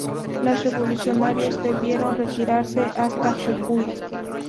Los revolucionarios debieron retirarse hasta Jujuy.